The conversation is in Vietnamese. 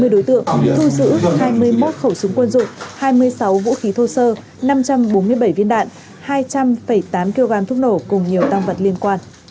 hai mươi đối tượng thu giữ hai mươi một khẩu súng quân dụng hai mươi sáu vũ khí thô sơ năm trăm bốn mươi bảy viên đạn hai trăm linh tám kg thuốc nổ cùng nhiều tăng vật liên quan